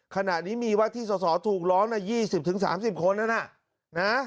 ขณะนี้มีว่าที่สอถูกร้อง๒๐๓๐คน